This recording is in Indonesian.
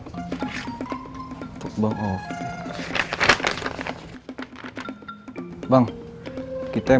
masih sedot fistanya kita